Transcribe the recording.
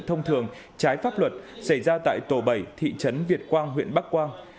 thông thường trái pháp luật xảy ra tại tổ bảy thị trấn việt quang huyện bắc quang